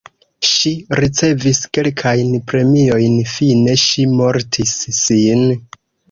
Ŝi ricevis kelkajn premiojn, fine ŝi mortis sin.